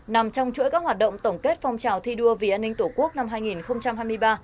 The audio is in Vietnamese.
nằm trong chuỗi các hoạt động tổng kết phong trào thi đua vì an ninh tổ quốc năm hai nghìn hai mươi ba